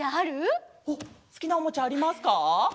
おっすきなおもちゃありますか？